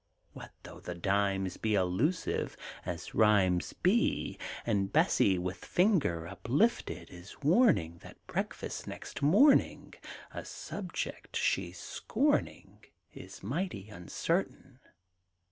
What though the dimes be Elusive as rhymes be, And Bessie, with finger Uplifted, is warning That breakfast next morning (A subject she's scorning) Is mighty uncertain!